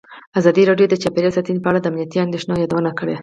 ازادي راډیو د چاپیریال ساتنه په اړه د امنیتي اندېښنو یادونه کړې.